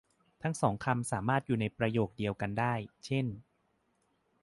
ทั้งสองคำสามารถอยู่ในประโยคเดียวกันได้ เช่น